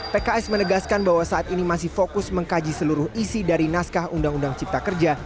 pks menegaskan bahwa saat ini masih fokus mengkaji seluruh isi dari naskah undang undang cipta kerja